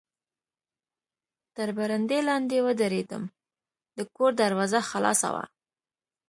تر برنډې لاندې و درېدم، د کور دروازه خلاصه وه.